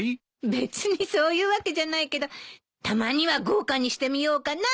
別にそういうわけじゃないけどたまには豪華にしてみようかなと思って。